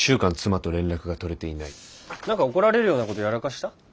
何か怒られるようなことやらかした？